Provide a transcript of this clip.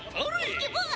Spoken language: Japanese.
スッケボー！